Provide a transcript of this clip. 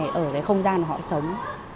cũng giống như là ở cái không gian họ sống